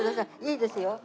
いいですよ。